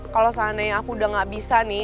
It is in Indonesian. kalau seandainya aku udah gak bisa nih